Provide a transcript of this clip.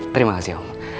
terima kasih om